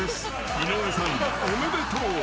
井上さんおめでとう］